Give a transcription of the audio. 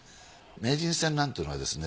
名人戦なんていうのはですね